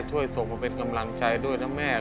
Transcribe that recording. ช่วยส่งมาเป็นกำลังใจด้วยนะแม่